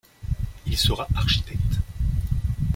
Il sera architecte.